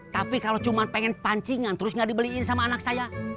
tapi kalau cuma pengen pancingan terus nggak dibeliin sama anak saya